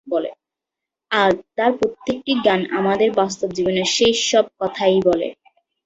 আর তাঁর প্রত্যেকটি গান আমাদের বাস্তব জীবনের সেই সব কথাই বলে।